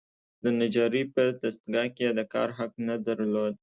د نجارۍ په دستګاه کې یې د کار حق نه درلود.